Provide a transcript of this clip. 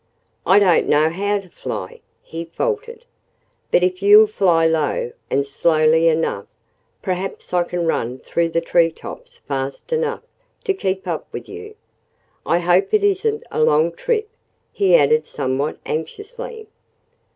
"I don't know how to fly," he faltered. "But if you'll fly low, and slowly enough, perhaps I can run through the tree tops fast enough to keep up with you. I hope it isn't a long trip," he added somewhat anxiously.